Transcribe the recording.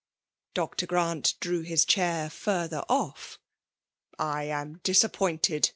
*' Dr. Grant drew his chair inrther off. '' I am disappointed